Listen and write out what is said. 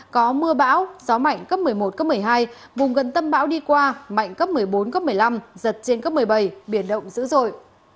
có mưa bão gió mạnh cấp một mươi một cấp một mươi hai vùng gần tâm bão đi qua mạnh cấp một mươi bốn cấp một mươi năm giật trên cấp một mươi bảy biển động dữ dội